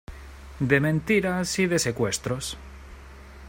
de mentiras y de secuestros.